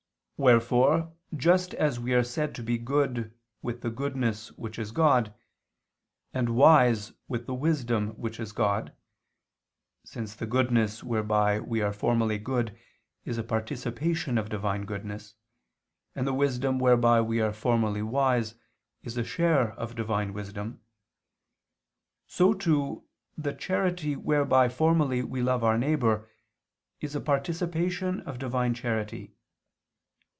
Wherefore just as we are said to be good with the goodness which is God, and wise with the wisdom which is God (since the goodness whereby we are formally good is a participation of Divine goodness, and the wisdom whereby we are formally wise, is a share of Divine wisdom), so too, the charity whereby formally we love our neighbor is a participation of Divine charity.